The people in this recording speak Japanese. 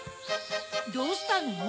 どうしたの？